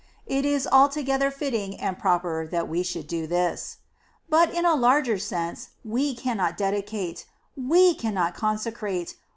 It is altogether fitting and proper that we should do this. But, in a larger sense, we cannot dedicate. . .we cannot consecrate.